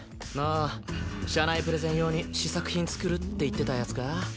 ああ社内プレゼン用に試作品作るって言ってたやつか？